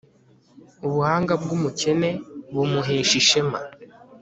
ubuhanga bw'umukene bumuhesha ishema